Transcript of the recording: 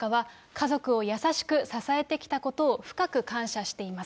天皇陛下は、家族を優しく支えてきたことを深く感謝しています。